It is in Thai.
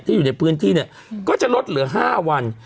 อยู่ในพื้นที่เนี่ยก็จะลดเหลือ๕วัน